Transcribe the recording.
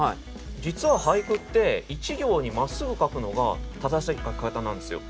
実は俳句って一行にまっすぐ書くのが正しい書き方なんですよ。